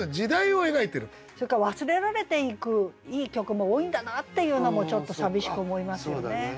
それから忘れられていくいい曲も多いんだなっていうのもちょっと寂しく思いますよね。